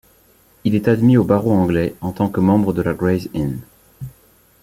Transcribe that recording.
Il est admis au barreau anglais en tant que membre de la Gray's Inn.